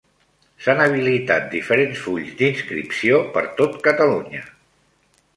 S'han habilitat diferents fulls d'inscripció per tot Catalunya.